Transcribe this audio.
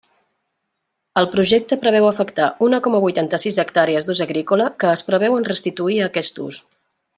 El Projecte preveu afectar una coma vuitanta-sis hectàrees d'ús agrícola, que es preveuen restituir a aquest ús.